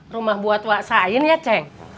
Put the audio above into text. rumah buat wa sain ya ceng